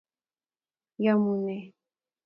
Yomune?